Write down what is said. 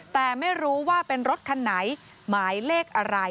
แต่ไม่รู้ว่าเป็นรถคันไหนหมายเลขอะไร